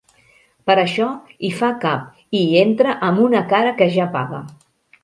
Per això hi fa cap i hi entra amb una cara que ja paga.